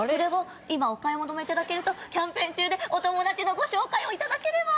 今お買い求めいただけるとキャンペーン中でお友達のご紹介をいただければ。